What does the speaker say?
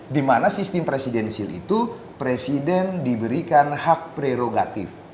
di mana sistem presidensil itu presiden diberikan hak prerogatif